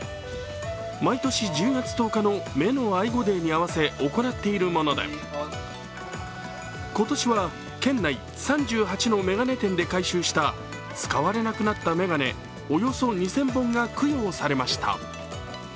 毎年１０月１０日の目の愛護デーに合わせ行っているもので、今年は県内３８の眼鏡店で回収した使われなくなった眼鏡およそ２０００本が供養されました。